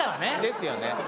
ですよね！